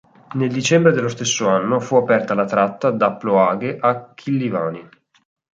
Nel dicembre dello stesso anno fu aperta la tratta da Ploaghe a Chilivani.